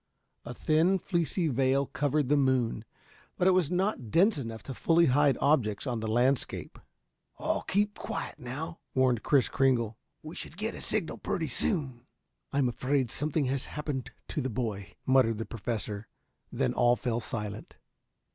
A thin, fleecy veil covered the moon, but it was not dense enough to fully hide objects on the landscape. "All keep quiet, now," warned Kris Kringle. "We should get a signal pretty soon." "I'm afraid something has happened to the boy," muttered the Professor. Then all fell silent.